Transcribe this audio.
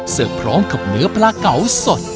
เสิร์ฟพร้อมกับเนื้อปลาเก๋าสด